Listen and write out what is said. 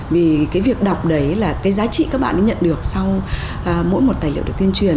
vì cái việc đọc đấy là cái giá trị các bạn ấy nhận được sau mỗi một tài liệu được tuyên truyền